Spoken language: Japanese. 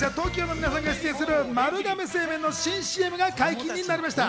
株式会社ＴＯＫＩＯの皆さんが出演する丸亀製麺の新ＣＭが解禁になりました。